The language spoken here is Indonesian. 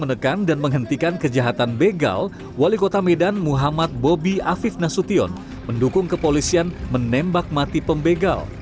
menekan dan menghentikan kejahatan begal wali kota medan muhammad bobi afif nasution mendukung kepolisian menembak mati pembegal